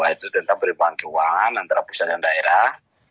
itu tentang peribahang keuangan antara pusat dan daerah